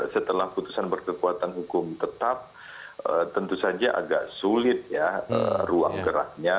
setelah putusan berkekuatan hukum tetap tentu saja agak sulit ya ruang geraknya